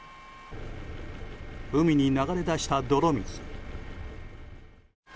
海に流れ出した泥水。